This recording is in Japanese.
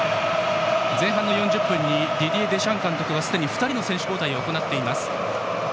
前半の４０分にディディエ・デシャン監督はすでに２人の選手交代を行っています。